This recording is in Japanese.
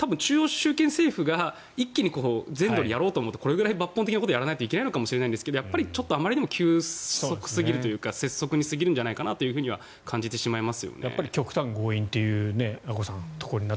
一方で中国って多分中央集権政府が全土を一気にやろうと思ったらこれぐらい抜本的なことをやらないといけないのかもしれませんがあまりにも急速すぎるというか拙速に過ぎるんじゃないかなとは感じてしまいます。